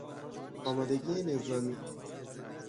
آمادگی نظامی